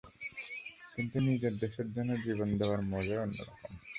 কিন্তু নিজের দেশের জন্য জীবন নেওয়ার মজাই অন্যরকম।